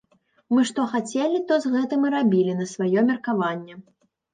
Мы што хацелі, то з гэтым і рабілі на сваё меркаванне.